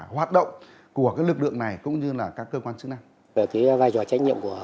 hoạt động của cái lực lượng này cũng như là các cơ quan chức năng về cái vai trò trách nhiệm của